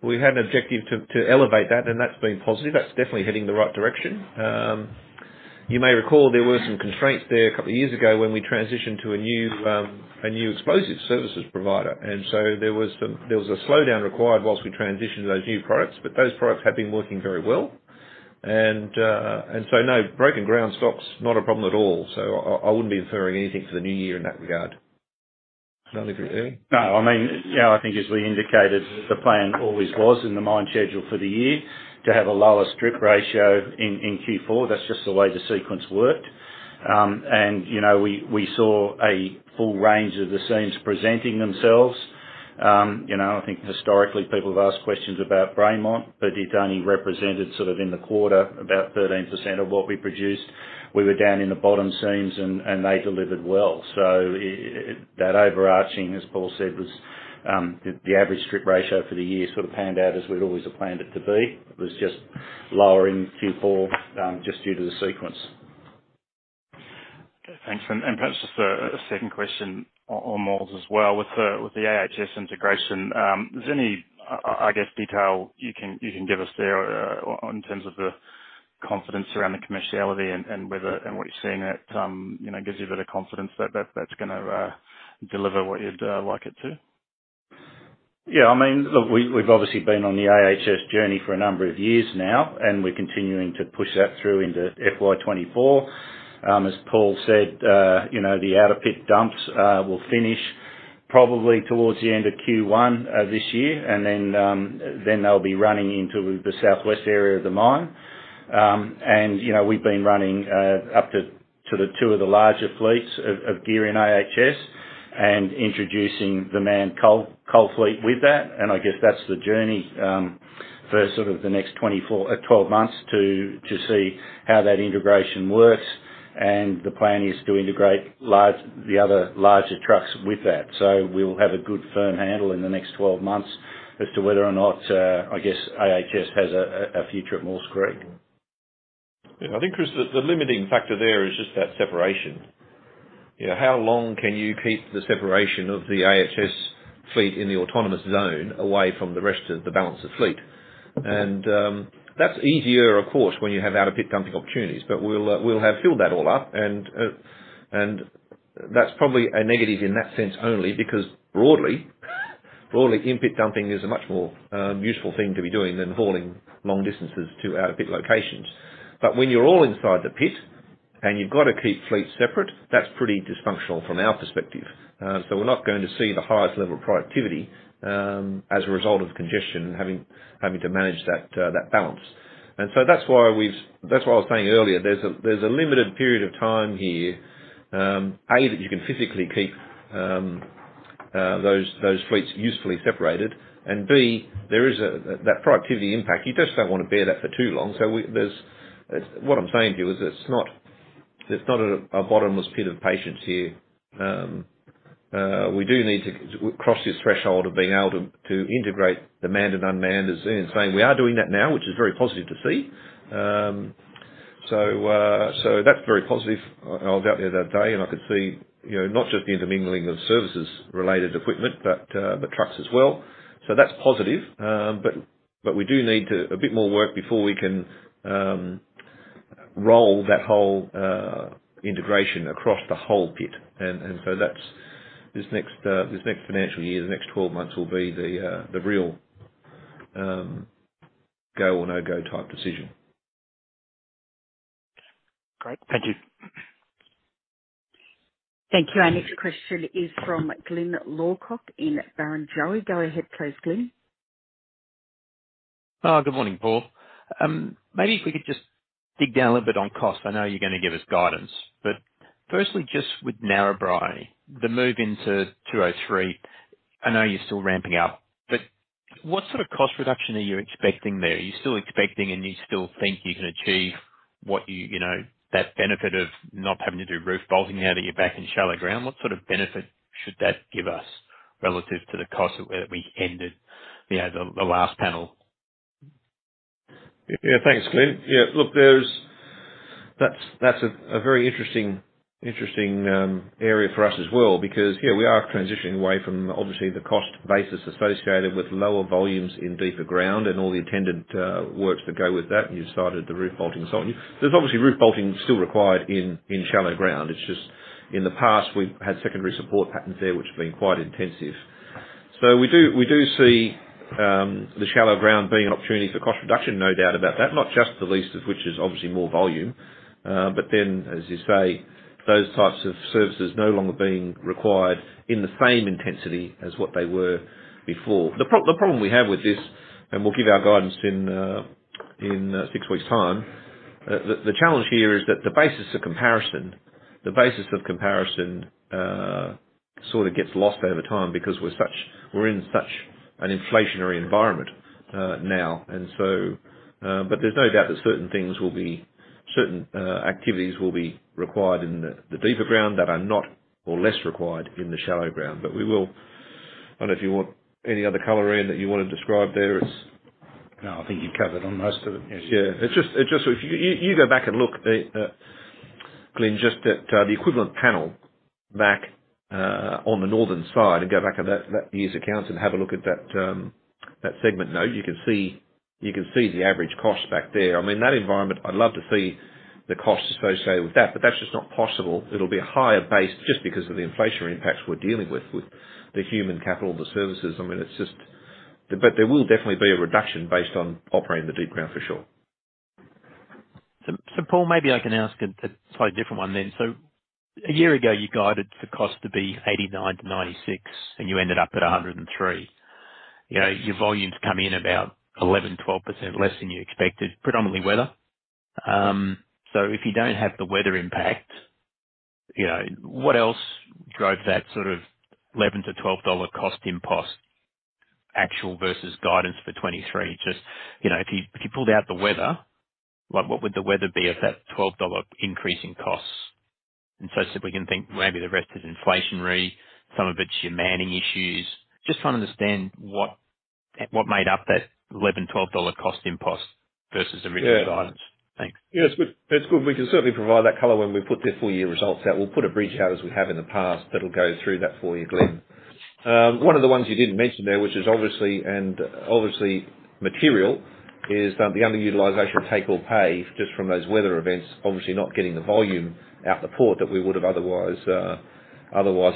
Speaker 2: We had an objective to elevate that, and that's been positive. That's definitely heading in the right direction. You may recall there were some constraints there a couple of years ago when we transitioned to a new a new explosive services provider, there was a slowdown required whilst we transitioned to those new products. Those products have been working very well. No, broken ground stock's not a problem at all, so I wouldn't be inferring anything for the new year in that regard. I don't know if you, Ernie?
Speaker 6: I mean, I think as we indicated, the plan always was in the mine schedule for the year to have a lower strip ratio in Q4. That's just the way the sequence worked. You know, we saw a full range of the seams presenting themselves. You know, I think historically, people have asked questions about Braymont, it only represented sort of, in the quarter, about 13% of what we produced. We were down in the bottom seams, and they delivered well. That overarching, as Paul said, was, the average strip ratio for the year sort of panned out as we'd always planned it to be. It was just lower in Q4, just due to the sequence.
Speaker 10: Okay, thanks. Perhaps just a second question on Maules as well. With the AHS integration, is there any, I guess, detail you can give us there on, in terms of the confidence around the commerciality and whether and what you're seeing that, you know, gives you a bit of confidence that's gonna deliver what you'd like it to?
Speaker 6: Yeah, I mean, look, we've obviously been on the AHS journey for a number of years now. We're continuing to push that through into FY24. As Paul said, you know, the out-of-pit dumps will finish probably towards the end of Q1 this year. They'll be running into the southwest area of the mine. You know, we've been running up to the two of the larger fleets of gear in AHS and introducing the manned coal fleet with that. I guess that's the journey for sort of the next 24, 12 months to see how that integration works, and the plan is to integrate the other larger trucks with that. We'll have a good firm handle in the next 12 months as to whether or not, I guess, AHS has a future at Maules Creek.
Speaker 2: Yeah, I think, Chris, the limiting factor there is just that separation. You know, how long can you keep the separation of the AHS fleet in the autonomous zone away from the rest of the balance of fleet? That's easier, of course, when you have out-of-pit dumping opportunities, but we'll have filled that all up. That's probably a negative in that sense only, because broadly, in-pit dumping is a much more useful thing to be doing than hauling long distances to out-of-pit locations. When you're all inside the pit, and you've got to keep fleets separate, that's pretty dysfunctional from our perspective. We're not going to see the highest level of productivity as a result of congestion and having to manage that balance. That's why I was saying earlier, there's a, there's a limited period of time here, A, that you can physically keep those fleets usefully separated, and B, there is a productivity impact, you just don't want to bear that for too long. What I'm saying to you is, it's not, there's not a bottomless pit of patience here. We do need to cross this threshold of being able to integrate the manned and unmanned as in saying, we are doing that now, which is very positive to see. That's very positive. I was out there the other day, and I could see, you know, not just the intermingling of services related equipment, but the trucks as well. That's positive. We do need a bit more work before we can roll that whole integration across the whole pit. That's this next, this next financial year, the next 12 months will be the real go or no-go type decision.
Speaker 10: Great. Thank you.
Speaker 1: Thank you. Our next question is from Glyn Lawcock in Barrenjoey. Go ahead, please, Glyn.
Speaker 7: Good morning, Paul. Maybe if we could just dig down a little bit on cost. I know you're gonna give us guidance, but firstly, just with Narrabri, the move into 203, I know you're still ramping up, but what sort of cost reduction are you expecting there? Are you still expecting, and you still think you can achieve what you know, that benefit of not having to do roof bolting now that you're back in shallow ground? What sort of benefit should that give us relative to the cost of where we ended, you know, the last panel?
Speaker 2: Thanks, Glyn. Look, That's a very interesting area for us as well, because, yeah, we are transitioning away from obviously the cost basis associated with lower volumes in deeper ground and all the attendant works that go with that. You started the roof bolting. There's obviously roof bolting still required in shallow ground. It's just in the past, we've had secondary support patterns there, which have been quite intensive. We do see the shallow ground being an opportunity for cost reduction, no doubt about that, not just the least of which is obviously more volume, then, as you say, those types of services no longer being required in the same intensity as what they were before. The problem we have with this. We'll give our guidance in six weeks' time. The challenge here is that the basis of comparison sort of gets lost over time because we're in such an inflationary environment now. There's no doubt that certain things will be, certain activities will be required in the deeper ground that are not or less required in the shallow ground. I don't know if you want any other color in that you want to describe there as-
Speaker 7: No, I think you covered on most of it.
Speaker 2: Yeah, it's just so if you go back and look, Glyn, just at the equivalent panel back on the northern side and go back at that year's accounts and have a look at that segment note, you can see the average cost back there. I mean, that environment, I'd love to see the costs associated with that, but that's just not possible. It'll be a higher base just because of the inflationary impacts we're dealing with the human capital, the services. I mean, there will definitely be a reduction based on operating the deep ground for sure.
Speaker 7: Paul, maybe I can ask a slightly different one then. A year ago, you guided the cost to be 89-96, and you ended up at 103. You know, your volumes come in about 11%, 12% less than you expected, predominantly weather. If you don't have the weather impact, you know, what else drove that sort of 11-12 dollar cost impulse, actual versus guidance for FY 2023? Just, you know, if you pulled out the weather, like, what would the weather be of that 12 dollar increase in costs? If we can think maybe the rest is inflationary, some of it's your manning issues. Just trying to understand what made up that 11-12 dollar cost impulse versus the original guidance. Thanks.
Speaker 2: Yes, that's good. We can certainly provide that color when we put the full year results out. We'll put a brief out, as we have in the past, that'll go through that for you, Glyn. One of the ones you didn't mention there, which is obviously, and obviously material, is the underutilization of take-or-pay, just from those weather events, obviously not getting the volume out the port that we would have otherwise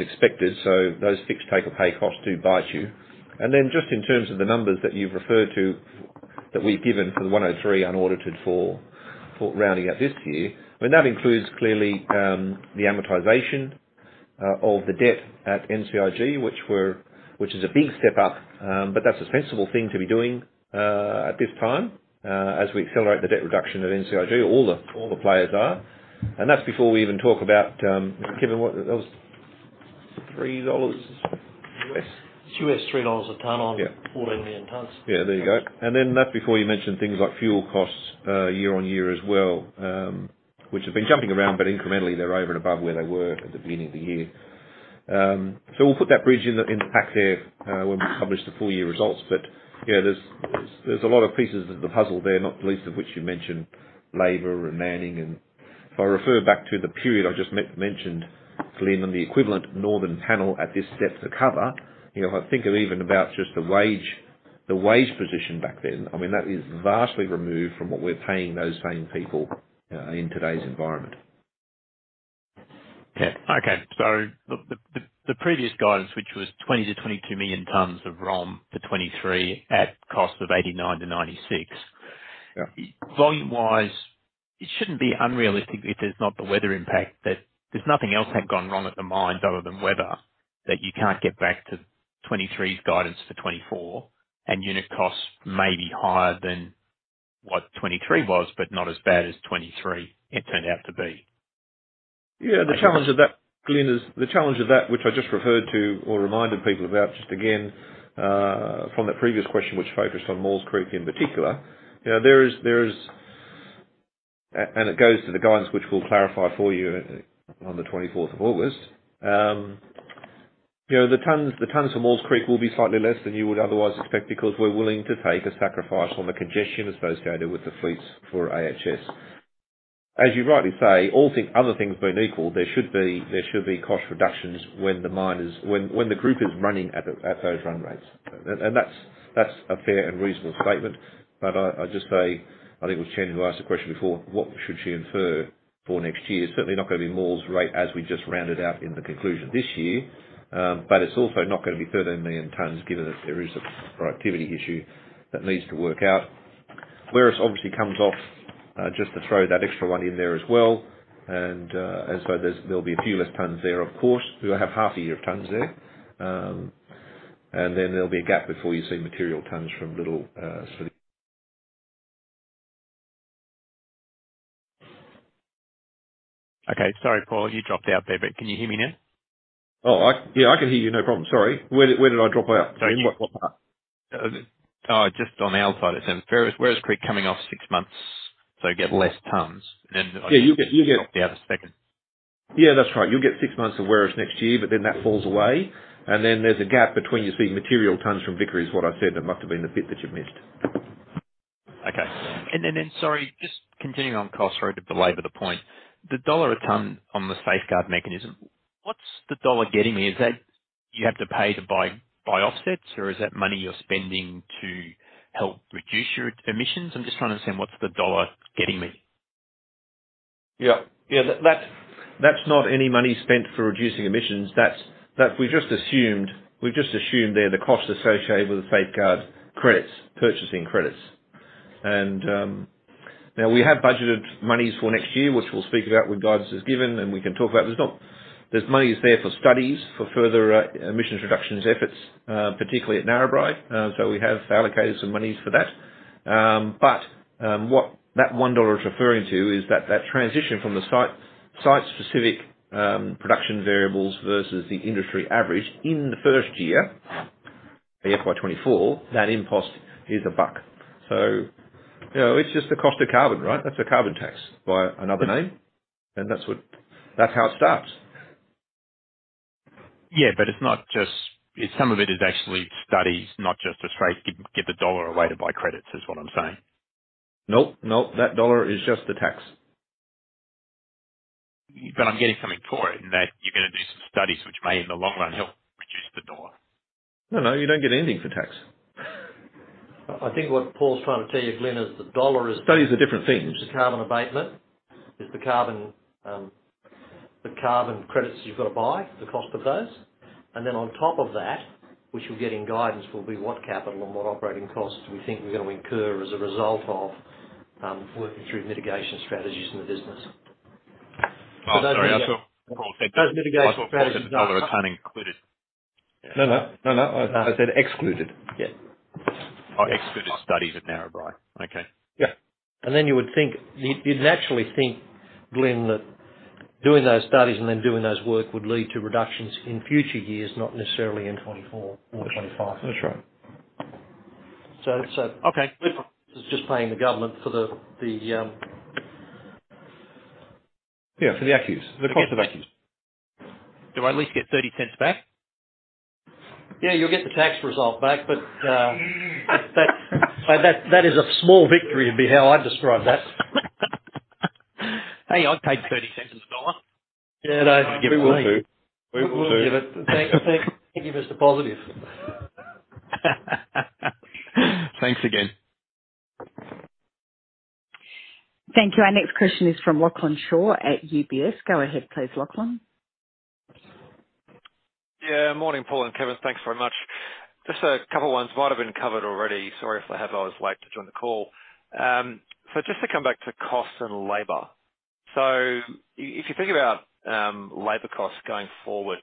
Speaker 2: expected. Those fixed take-or-pay costs do bite you. Just in terms of the numbers that you've referred to, that we've given for the 103 unaudited for rounding out this year, but that includes clearly, the amortization of the debt at NCIG, which is a big step up, but that's a sensible thing to be doing at this time, as we accelerate the debt reduction at NCIG, all the, all the players are. That's before we even talk about, Kevin, what, that was $3?
Speaker 4: It's U.S. $3 a ton. Yeah. 14 million tons.
Speaker 2: Yeah, there you go. That's before you mention things like fuel costs, year-over-year as well, which have been jumping around, but incrementally, they're over and above where they were at the beginning of the year. We'll put that bridge in the pack there when we publish the full year results. Yeah, there's a lot of pieces of the puzzle there, not the least of which you mentioned, labor and manning. If I refer back to the period I just mentioned, Glyn, and the equivalent northern panel at this depth of cover, you know, if I think of even about just the wage position back then, I mean, that is vastly removed from what we're paying those same people in today's environment.
Speaker 7: Okay. Okay, the previous guidance, which was 20-22 million tons of ROM for FY 2023 at cost of 89-96. Yeah. Volume-wise, it shouldn't be unrealistic if there's not the weather impact, that there's nothing else had gone wrong at the mine other than weather, that you can't get back to FY2 023's guidance for FY 2024, and unit costs may be higher than what FY 2023 was, but not as bad as FY 2023 it turned out to be.
Speaker 2: The challenge of that, Glyn, is the challenge of that, which I just referred to or reminded people about just again, from that previous question, which focused on Maules Creek in particular. You know, there is. It goes to the guidance, which we'll clarify for you on the 24th of August. You know, the tons from Maules Creek will be slightly less than you would otherwise expect because we're willing to take a sacrifice on the congestion associated with the fleets for AHS. As you rightly say, all things, other things being equal, there should be cost reductions when the group is running at those run rates. That's a fair and reasonable statement. I just say, I think it was Kenny who asked the question before: What should she infer for next year? It's certainly not going to be Maules rate, as we just rounded out in the conclusion this year, it's also not going to be 13 million tons, given that there is a productivity issue that needs to work out. Werris obviously comes off, just to throw that extra one in there as well. There'll be a few less tons there, of course. We'll have half a year of tons there. There'll be a gap before you see material tons from Vickery.
Speaker 7: Sorry, Paul, you dropped out there, but can you hear me now?
Speaker 2: Oh, I. Yeah, I can hear you. No problem. Sorry, where did I drop out? Sorry, what part?
Speaker 7: Just on the outside of them. Werris Creek coming off six months, so get less tons.
Speaker 2: Yeah.
Speaker 7: Dropped the other second.
Speaker 2: Yeah, that's right. You'll get six months of Werris next year, but then that falls away, and then there's a gap between you seeing material tons from Vickery, is what I said. That must have been the bit that you missed.
Speaker 7: Okay. Then sorry, just continuing on cost, right at the labor the point, the AUD 1 a ton on the Safeguard Mechanism, what's the AUD 1 getting me? Is that you have to pay to buy offsets, or is that money you're spending to help reduce your emissions? I'm just trying to understand what's the AUD 1 getting me.
Speaker 2: Yeah. Yeah, that's not any money spent for reducing emissions. That's we've just assumed there the costs associated with the Safeguard credits, purchasing credits. Now we have budgeted monies for next year, which we'll speak about when guidance is given, and we can talk about. There's money is there for studies, for further emissions reductions efforts, particularly at Narrabri. We have allocated some monies for that. What that 1 dollar is referring to is that transition from the site-specific production variables versus the industry average in the first year, the FY24, that impulse is AUD 1. You know, it's just the cost of carbon, right? That's a carbon tax by another name, and that's how it starts.
Speaker 7: Yeah, some of it is actually studies, not just a straight get the dollar allotted by credits, is what I'm saying.
Speaker 2: Nope, nope. That dollar is just the tax.
Speaker 7: I'm getting something for it, in that you're gonna do some studies which may, in the long run, help reduce the dollar.
Speaker 2: No, no, you don't get anything for tax.
Speaker 4: I think what Paul's trying to tell you, Glyn,
Speaker 2: is Studies are different things.
Speaker 4: The carbon abatement, is the carbon, the carbon credits you've got to buy, the cost of those. Then on top of that, which we'll get in guidance, will be what capital and what operating costs we think we're gonna incur as a result of working through mitigation strategies in the business.
Speaker 7: Oh, sorry.
Speaker 4: Those mitigation strategies are
Speaker 7: I thought the dollar was included.
Speaker 2: No, no. No, no, I said excluded. Yeah.
Speaker 7: Oh, excluded studies at Narrabri. Okay.
Speaker 4: Yeah. You would think... You'd naturally think, Glyn, that doing those studies and then doing those work would lead to reductions in future years, not necessarily in 2024 or 2025.
Speaker 2: That's right.
Speaker 7: Okay.
Speaker 4: Just paying the government for the Yeah,
Speaker 2: For the ACCUs, the cost of ACCUs.
Speaker 7: Do I at least get 0.30 back?
Speaker 4: Yeah, you'll get the tax result back, but, that is a small victory, would be how I'd describe that.
Speaker 7: Hey, I'd take 0.30 on the dollar.
Speaker 2: Yeah, I think we will do. We will do.
Speaker 4: Thank you, Mr. Positive.
Speaker 7: Thanks again.
Speaker 1: Thank you. Our next question is from Lachlan Shaw at UBS. Go ahead please, Lachlan.
Speaker 11: Yeah, morning, Paul and Kevin. Thanks very much. Just a couple ones, might have been covered already. Sorry if I have, I was late to join the call. Just to come back to cost and labor. If you think about labor costs going forward,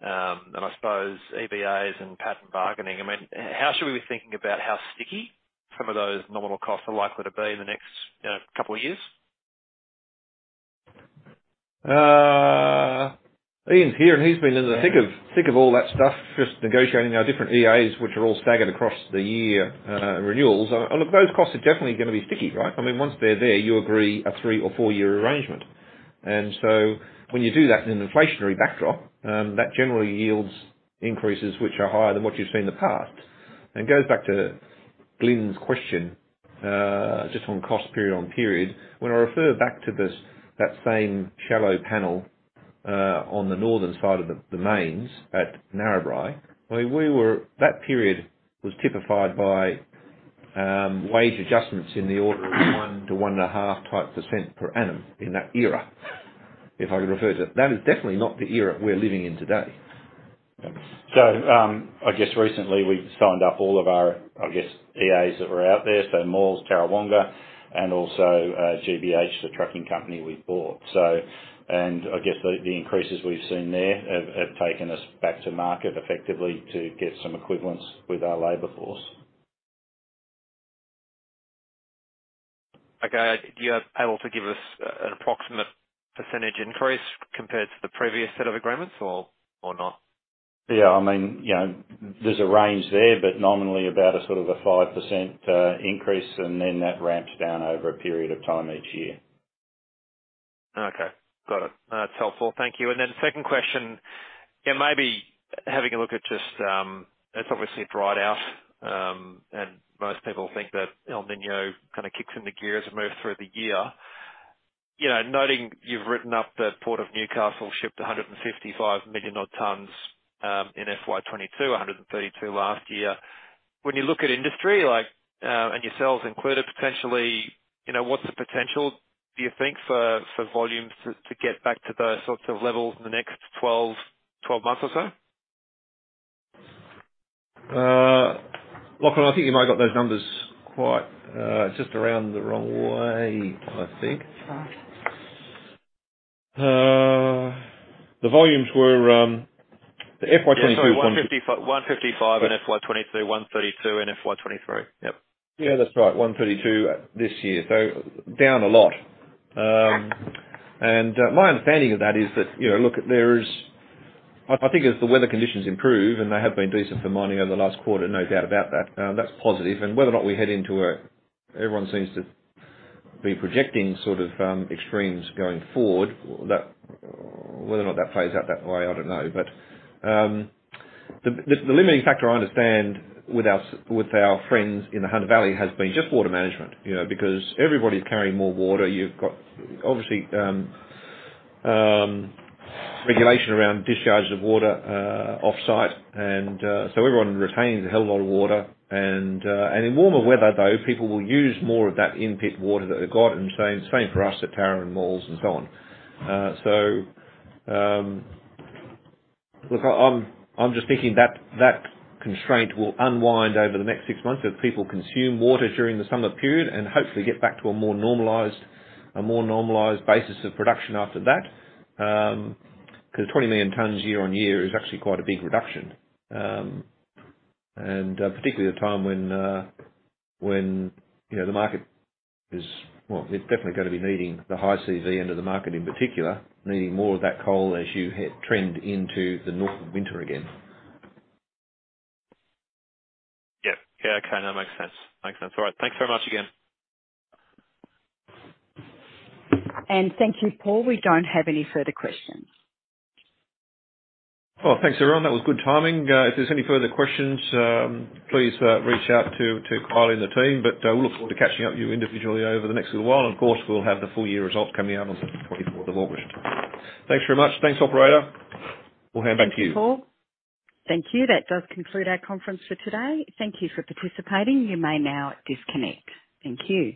Speaker 11: and I suppose EAs and pattern bargaining, I mean, how should we be thinking about how sticky some of those nominal costs are likely to be in the next, you know, couple of years?
Speaker 2: Ian's here, and he's been in the thick of all that stuff, just negotiating our different EAs, which are all staggered across the year, renewals. Look, those costs are definitely gonna be sticky, right? I mean, once they're there, you agree on a three or four-year arrangement. When you do that in an inflationary backdrop, that generally yields increases which are higher than what you've seen in the past. It goes back to Glyn's question, just the cost period on period. When I refer back to this, that same shallow panel, on the northern side of the mains at Narrabri, I mean, that period was typified by wage adjustments in the order of 1% to 1.5% type per annum in that era, if I could refer to it. That is definitely not the era we're living in today.
Speaker 6: I guess recently we've signed up all of our, I guess, EAs that were out there, so Maules, Tarrawonga, and also GBH, the trucking company we bought. I guess the increases we've seen there have taken us back to market effectively to get some equivalence with our labor force.
Speaker 11: Okay. Are you able to give us an approximate % increase compared to the previous set of agreements, or not?
Speaker 2: Yeah, I mean, you know, there's a range there, but nominally about a sort of a 5% increase, and then that ramps down over a period of time each year.
Speaker 11: Okay, got it. That's helpful. Thank you. Then the second question, it may be having a look at just, it's obviously a dry out, and most people think that El Niño kind of kicks in the gear as we move through the year. You know, noting you've written up the Port of Newcastle, shipped 155 million odd tons, in FY 2022, 132 last year. When you look at industry like, and yourselves included, potentially, you know, what's the potential, do you think, for volumes to get back to those sorts of levels in the next 12 months or so?
Speaker 2: Lachlan, I think you might have got those numbers quite, just around the wrong way, I think. The volumes were, the FY 2022.
Speaker 11: Yeah, sorry, 155 in FY 2022, 132 in FY 2023. Yep.
Speaker 2: Yeah, that's right. 132 this year, so down a lot. My understanding of that is that, you know, look, there is... I think as the weather conditions improve, and they have been decent for mining over the last quarter, no doubt that's positive. Whether or not we head into Everyone seems to be projecting sort of extremes going forward, whether or not that plays out that way, I don't know. The limiting factor I understand with our friends in the Hunter Valley has been just water management, you know, because everybody's carrying more water. You've got obviously regulations around discharges of water off-site, so everyone retains a hell of a lot of water. In warmer weather, though, people will use more of that in-pit water that they've got, and same for us at Tara and Maules and so on. Look, I'm just thinking that constraint will unwind over the next six months as people consume water during the summer period and hopefully get back to a more normalized basis of production after that. 20 million tons year-on-year is actually quite a big reduction, and particularly at a time when, you know, the market is. Well, it's definitely going to be needing the high CV end of the market in particular, needing more of that coal as you hit trend into the northern winter again.
Speaker 11: Yep. Yeah, okay, that makes sense. Makes sense. Thanks very much again.
Speaker 1: Thank you, Paul. We don't have any further questions.
Speaker 2: Well, thanks, everyone. That was good timing. If there's any further questions, please reach out to Kylie and the team, we'll look forward to catching up with you individually over the next little while. Of course, we'll have the full year results coming out on the 24th of August. Thanks very much. Thanks, operator. We'll hand back to you.
Speaker 1: Thank you, Paul. Thank you. That does conclude our conference for today. Thank you for participating. You may now disconnect. Thank you.